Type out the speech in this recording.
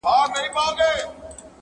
نور څه نه لرم خو ځان مي ترې قربان دی,